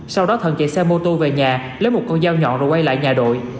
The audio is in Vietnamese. sau đó thận chạy xe mô tô về nhà lấy một con dao nhọn rồi quay lại nhà đội